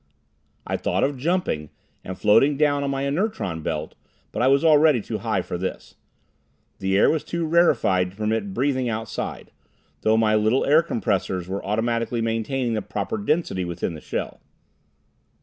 I thought of jumping, and floating down on my inertron belt, but I was already too high for this. The air was too rarefied to permit breathing outside, though my little air compressors were automatically maintaining the proper density within the shell.